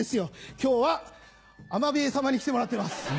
今日はアマビエ様に来てもらってます。